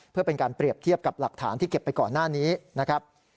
เพื่อเป็นการเปรียบเทียบกับหลักฐานที่เก็บไปก่อนหน้านี้นะครับ